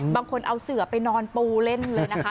บางคนเอาเสือไปนอนปูเล่นเลยนะคะ